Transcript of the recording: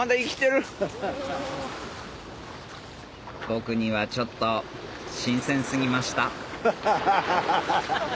僕にはちょっと新鮮過ぎましたハハハ！